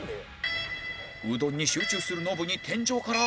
うどんに集中するノブに天井から